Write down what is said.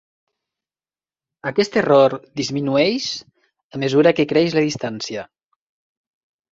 Aquest error disminueix a mesura que creix la distància.